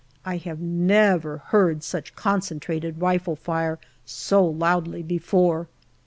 I have never heard such concentrated rifle fire so loudly before.